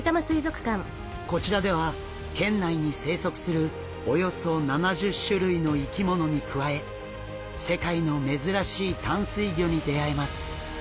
こちらでは県内に生息するおよそ７０種類の生き物に加え世界の珍しい淡水魚に出会えます。